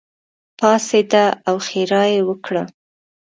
پاڅېده او ښېرا یې وکړه.